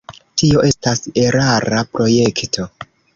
Tio estas erara projekto.